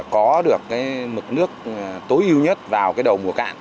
có được cái mực nước tối ưu nhất vào cái đầu mùa cạn